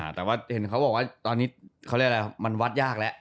แต่ว่าเห็นเขาบอกว่าตอนนี้เขาเรียกอะไรมันวัดยากแล้ว